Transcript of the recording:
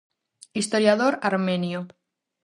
Historiador armenio.